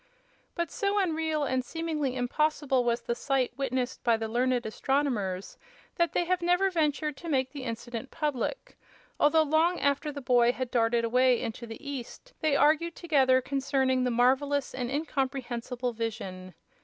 But so unreal and seemingly impossible was the sight witnessed by the learned astronomers that they have never ventured to make the incident public, although long after the boy had darted away into the east they argued together concerning the marvelous and incomprehensible vision.